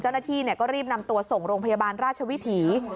เจ้าหน้าที่ก็รีบนำตัวส่งโรงพยาบาลราชวิถี